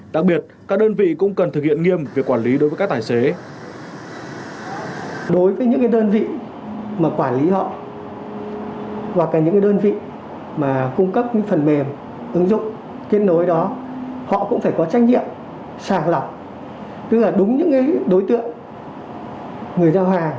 đặc biệt các đơn vị cũng cần thực hiện nghiêm việc quản lý đối với các tài xế